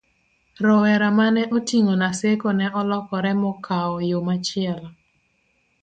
rowera mane oting'o Naseko ne olokore mokawo yo machielo